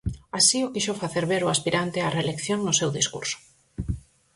Así o quixo facer ver o aspirante á reelección no seu discurso.